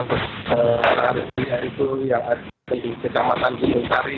karena ada tiga itu yang ada di kecamatan jum'atari